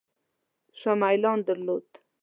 شاه میلان درلود.